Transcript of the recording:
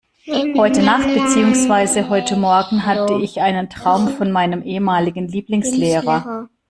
Heute Nacht, beziehungsweise heute Morgen hatte ich einen Traum von meinem ehemaligen Lieblingslehrer.